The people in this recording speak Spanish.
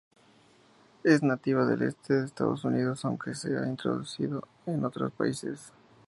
Es nativa del este de Estados Unidos, aunque se ha introducido en otros países.